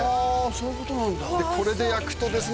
そういうことなんだこれで焼くとですね